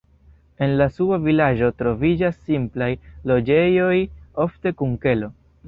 En la "suba vilaĝo" troviĝas simplaj loĝejoj, ofte kun kelo.